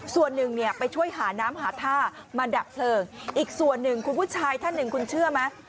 ส่วนหนึ่งเนี่ยไปช่วยหาน้ำหาท่ามาดับเพลิงอีกส่วนหนึ่งคุณผู้ชายท่านหนึ่งคุณเชื่อไหม